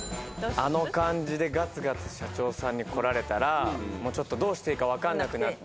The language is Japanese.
あの感じでガツガツ社長さんに来られたらもうちょっとどうしていいかわかんなくなって。